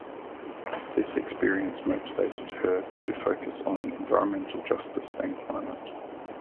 This experience motivated her to focus on environmental justice and climate.